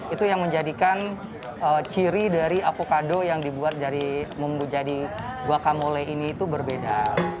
itu yang menjadikan ciri dari avocado yang dibuat dari guacamole ini itu berbeda